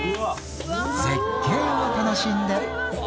絶景を楽しんで。